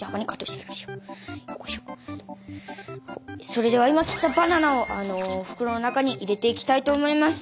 それでは今切ったバナナを袋の中に入れていきたいと思います。